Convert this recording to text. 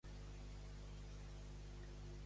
I amb la vídua Avellana?